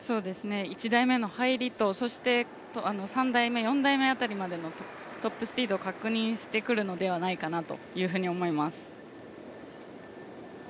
１台目の入りと、そして３台目、４台目までのトップスピードを確認してくるのではないかと思います。